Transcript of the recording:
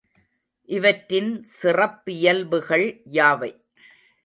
இவற்றின் சிறப்பியல்புகள் யாவை?